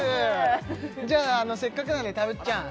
じゃああのせっかくなんでたぶっちゃん